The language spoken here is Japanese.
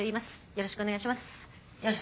よろしくお願いします。